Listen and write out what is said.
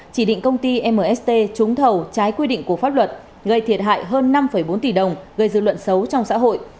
chỉ định công ty mst trúng thầu trái quy định của pháp luật gây thiệt hại hơn năm bốn tỷ đồng gây dư luận xấu trong xã hội